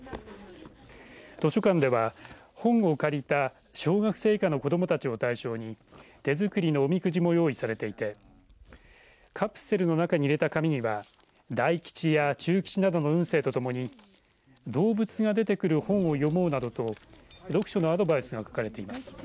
図書館では本を借りた小学生以下の子どもたちを対象に手作りのおみくじも用意されていてカプセルの中に入れた紙には大吉や中吉などの運勢とともに動物が出てくる本を読もうなどと読書のアドバイスが書かれています。